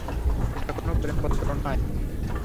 এটা কোনো প্রেমপত্র নয়।